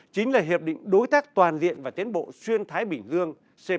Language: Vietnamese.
chính là hiệp định đối tác toàn diện và tiến bộ xuyên thái bình dương